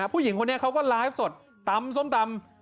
ผู้หญิงคนนี้เขาก็ไลฟ์สดตำส้มตำ